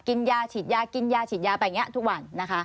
กินยาฉีดยากินยาฉีดยาไปทุกวัน